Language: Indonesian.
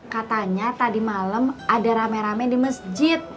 katanya tadi malam ada rame rame di masjid